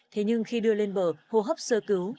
thế nhưng khi đưa lên bờ hô hấp sơ cứu